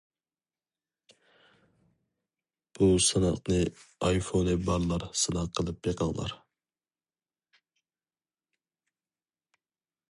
بۇ سىناقنى ئايفونى بارلار سىناق قىلىپ بېقىڭلار.